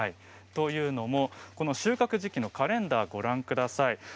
収穫時期のカレンダーをご覧ください。